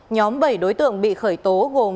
nhóm bảy đối tượng bị khởi tố gồm